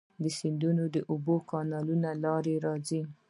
د سیندونو اوبه د کانالونو له لارې راځي.